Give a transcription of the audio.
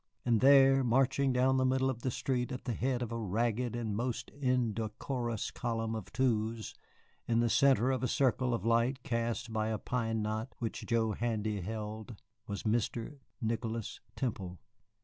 And there, marching down the middle of the street at the head of a ragged and most indecorous column of twos, in the centre of a circle of light cast by a pine knot which Joe Handy held, was Mr. Nicholas Temple.